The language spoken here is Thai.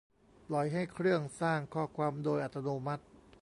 ปล่อยให้เครื่องสร้างข้อความโดยอัตโนมัติ